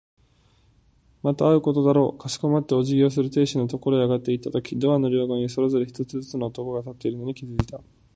また会うことだろう。かしこまってお辞儀をする亭主のところへ上がっていったとき、ドアの両側にそれぞれ一人ずつの男が立っているのに気づいた。